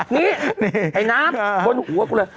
นี่ไอ้น้ำบนหัวกูเลย